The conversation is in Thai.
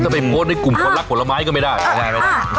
ถ้าไปโพสต์ในกลุ่มคนรักผลไม้ก็ไม่ได้